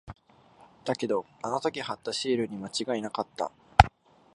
だけど、あの時貼ったシールに間違いなかった。